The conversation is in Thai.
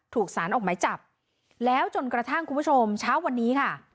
ถูกสารออกหมายจับแล้วจนกระทั่งคุณผู้ชมเช้าวันนี้ค่ะ